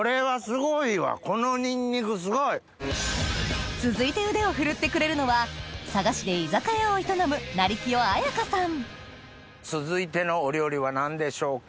このニンニクすごい！続いて腕を振るってくれるのは佐賀市で居酒屋を営む続いてのお料理は何でしょうか？